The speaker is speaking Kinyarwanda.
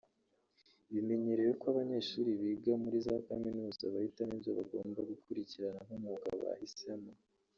Bimenyerewe ko abanyeshuri biga muri za kaminuza bahitamo ibyo bagomba gukurikirana nk’umwuga bahisemo